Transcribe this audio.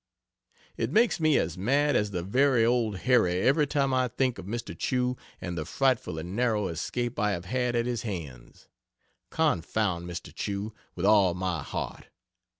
It makes me as mad as the very Old Harry every time I think of Mr. Chew and the frightfully narrow escape I have had at his hands. Confound Mr. Chew, with all my heart!